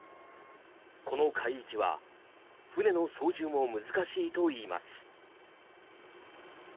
この海域は船の操縦も難しいといいます。